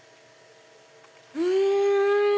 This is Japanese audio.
うん！